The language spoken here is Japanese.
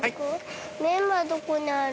メンマどこにある？